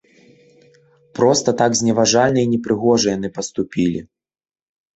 Проста так зневажальна і непрыгожа яны паступілі.